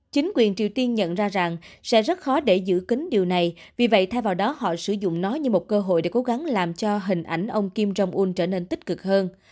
chính quyền triều tiên nhận ra rằng sẽ rất khó để giữ kính điều này vì vậy thay vào đó họ sử dụng nó như một cơ hội để cố gắng làm cho hình ảnh ông kim jong un trở nên tích cực hơn